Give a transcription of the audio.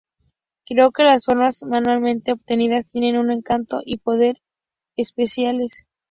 Creo que las formas manualmente obtenidas tienen un encanto y poder especiales.